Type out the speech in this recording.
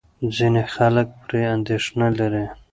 ځینې خلک پرې اندېښنه لري.